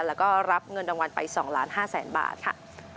แล้วก็รับเงินรางวัลไป๒๕๐๐๐๐บาทค่ะ